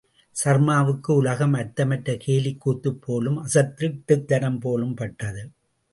சர்மாவுக்கு உலகம் அர்த்தமற்ற கேலிக் கூத்துப் போலும், அசட்டுத்தனம் போலும் பட்டது.